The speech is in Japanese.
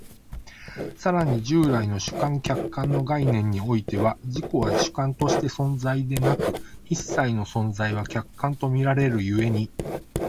更に従来の主観・客観の概念においては、自己は主観として存在でなく、一切の存在は客観と見られる故に、